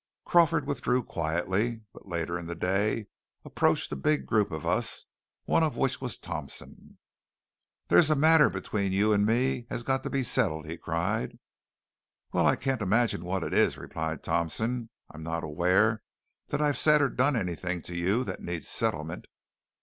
Crawford withdrew quietly, but later in the day approached a big group of us, one of which was Thompson. "There's a matter between you and me has got to be settled!" he cried. "Well, I can't imagine what it is," replied Thompson. "I'm not aware that I've said or done anything to you that needs settlement."